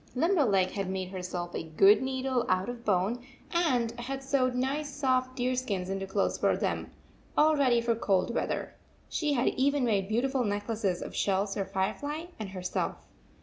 Limberleg had made herself a good needle out of bone and had sewed nice soft deer skins into clothes for them, all ready 138 for cold weather. She had even made beautiful necklaces of shells for Firefly and herself.